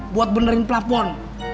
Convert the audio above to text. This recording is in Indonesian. buat benerin pelafon